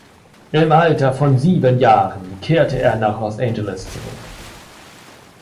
Im Alter von sieben Jahren kehrte er nach Los Angeles zurück.